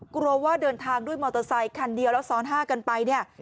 กลัวว่าเดินทางด้วยมอเตอร์ไซคันเดียวแล้วซ้อนห้ากันไปเนี่ย